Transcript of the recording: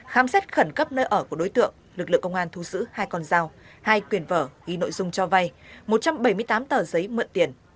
khám xét khẩn cấp nơi ở của đối tượng lực lượng công an thu giữ hai con dao hai quyền vở ghi nội dung cho vay một trăm bảy mươi tám tờ giấy mượn tiền